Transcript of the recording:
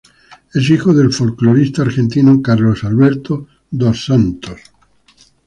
Es hijo del folclorista argentino Carlos Alberto Dos Santos.